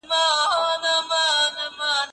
آیا ته تر پایه راسره یې؟